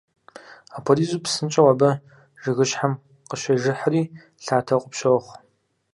Апхуэдизу псынщӏэу абы жыгыщхьэм къыщежыхьри, лъатэу къыпщохъу.